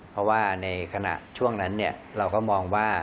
เพราะว่าในขณะช่วงนั้นเราก็มองว่า